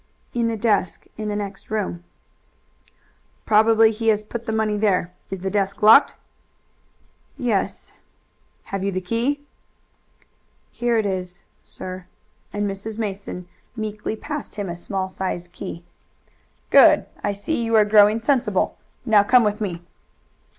"In the desk in the next room." "Probably he has put the money there. Is the desk locked?" "Yes." "Have you the key?" "Here it is, sir," and Mrs. Mason meekly passed him a small sized key. "Good! I see you are growing sensible. Now come with me."